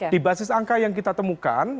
di basis angka yang kita temukan